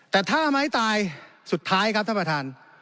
แต่ถ้าไม้ตายสุดท้ายครับท่านประธาน